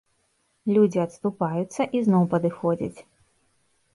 Людзі адступаюцца і зноў падыходзяць.